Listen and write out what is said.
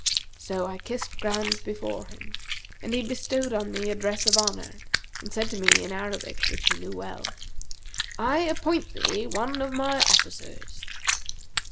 So I kissed ground before him, and he bestowed on me a dress of honour and said to me in Arabic (which he knew well), 'I appoint thee one of my officers.'